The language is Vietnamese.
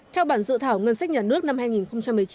theo bản dự thảo ngân sách nhà nước năm hai nghìn một mươi chín